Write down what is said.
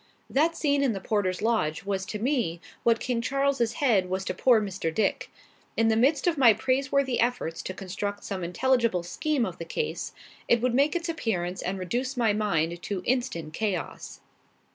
That scene in the porter's lodge was to me what King Charles's head was to poor Mr. Dick. In the midst of my praiseworthy efforts to construct some intelligible scheme of the case, it would make its appearance and reduce my mind to instant chaos.